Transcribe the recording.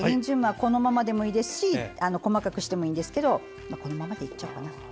このままでもいいですし細かくしてもいいですがこのままでいっちゃおうかな。